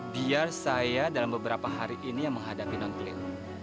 biar saya dalam beberapa hari ini yang menghadapi nontelio